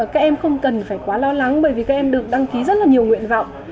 các em không cần phải quá lo lắng bởi vì các em được đăng ký rất là nhiều nguyện vọng